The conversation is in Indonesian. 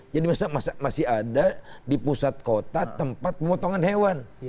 jadi masih ada di pusat kota tempat pemotongan hewan